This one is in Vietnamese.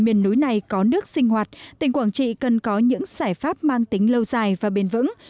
miền núi này có nước sinh hoạt tỉnh quảng trị cần có những giải pháp mang tính lâu dài và bền vững